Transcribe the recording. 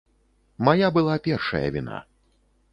Мая была першая віна.